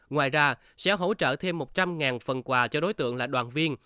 ngoài ra sẽ hỗ trợ thêm một trăm linh phần quà cho đối tượng là đoàn viên